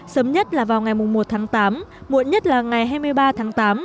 sớm nhất là vào ngày một tháng tám muộn nhất là ngày hai mươi ba tháng tám